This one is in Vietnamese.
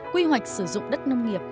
quy hoạch sử dụng đất nông nghiệp